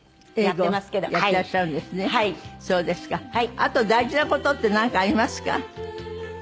あと大事な事って何かありますか？